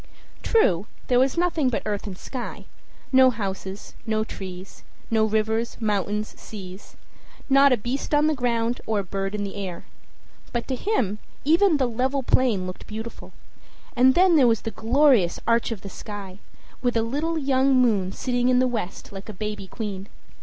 True, there was nothing but earth and sky; no houses, no trees, no rivers, mountains, seas not a beast on the ground, or a bird in the air. But to him even the level plain looked beautiful; and then there was the glorious arch of the sky, with a little young moon sitting in the west like a baby queen.